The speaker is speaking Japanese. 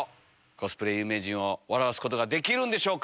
コスプレ有名人を笑わすことができるんでしょうか。